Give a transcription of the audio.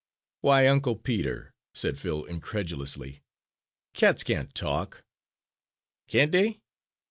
"Why, Uncle Peter," said Phil incredulously, "cats can't talk!" "Can't dey?